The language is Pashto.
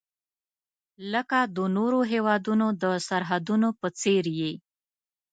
لکه د نورو هیوادونو د سرحدونو په څیر یې.